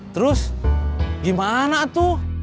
terus gimana tuh